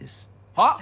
はっ？